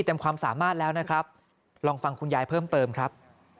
ความสามารถแล้วนะครับลองฟังคุณยายเพิ่มเติมครับ